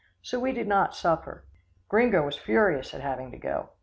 So we did not suffer. Gringo was furious at having to go.